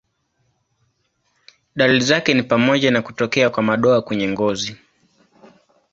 Dalili zake ni pamoja na kutokea kwa madoa kwenye ngozi.